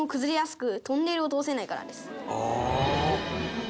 ああ！